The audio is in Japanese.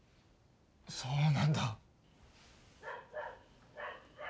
そうなんだ。